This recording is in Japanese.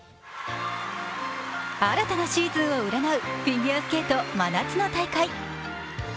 新たなシーズンを占うフィギュアスケート真夏の大会。